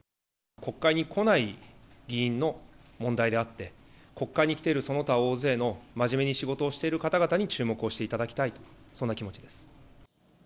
国会に来ない議員の問題であって、国会に来ているその他大勢の真面目に仕事をしている方々に注目をしていただきたいと、そんな気持ちです。